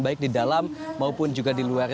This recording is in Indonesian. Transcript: baik di dalam maupun juga di luar